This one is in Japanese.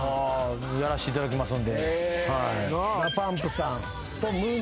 やらせていただきますんで。